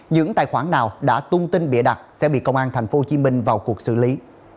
những tài khoản nào đã tung tin bịa đặt sẽ bị công an thành phố hồ chí minh vào cuộc xử lý